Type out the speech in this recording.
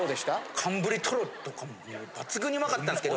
寒ぶりトロとかもう抜群にうまかったんですけど。